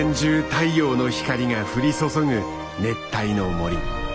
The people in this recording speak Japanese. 太陽の光が降り注ぐ熱帯の森。